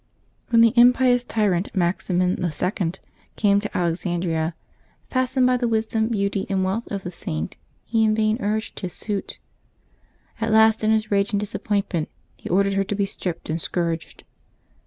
When the impious tyrant Maximin II. came to Alexandria, fascinated by the wisdom, beauty and wealth of the Saint, he in vain urged his suit. At last in his rage and disappointment he ordered her to be stripped and scourged.